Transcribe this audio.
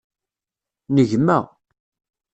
N gma.